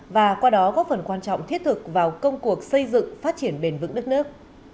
và qua đó góp phần quan trọng thiết thực vào công cuộc xây dựng phát triển bền vững đất nước